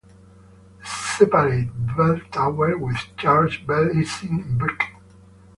The separate bell tower with church bells is in brick.